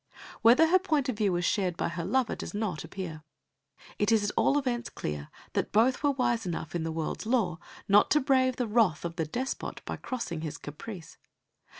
Whether her point of view was shared by her lover does not appear. It is at all events clear that both were wise enough in the world's lore not to brave the wrath of the despot by crossing his caprice.